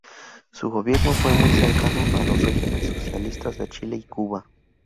Su gobierno fue muy cercano a los regímenes socialistas de Chile y Cuba.